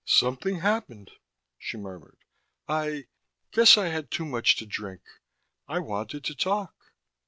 "Something happened," she murmured. "I guess I had too much to drink. I wanted to talk."